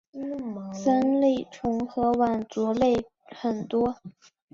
三叶虫和腕足类很多。